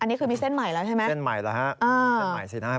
อันนี้มีเส้นใหม่แล้วใช่มั้ย